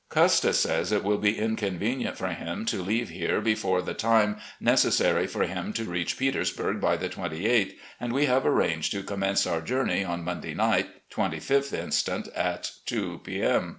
Custis says it will be inconvenient for him to leave here before the time necessary for him to reach Petersburg by the 28th, and we have arranged to com mence our journey on Monday night, 2Sth inst., at 12 m.